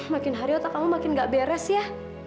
makin hari otak kamu makin gak beres ya